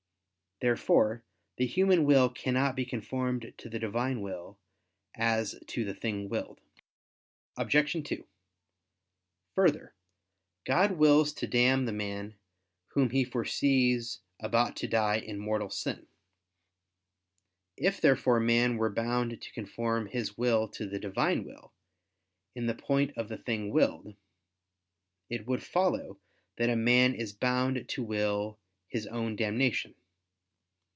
Therefore the human will cannot be conformed to the Divine will as to the thing willed. Obj. 2: Further, God wills to damn the man whom He foresees about to die in mortal sin. If therefore man were bound to conform his will to the Divine will, in the point of the thing willed, it would follow that a man is bound to will his own damnation.